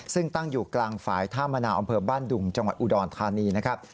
ซึ่งตั้งอยู่กลางฝ่ายท่ามะนาวอำเภอบ้านดุงจังหวัดอุดรธานีนะครับ